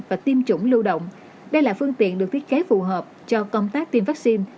và tiêm chủng lưu động đây là phương tiện được thiết kế phù hợp cho công tác tiêm vaccine